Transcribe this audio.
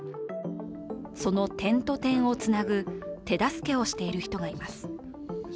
その点と点をつなぐ手助けをしている人がいます。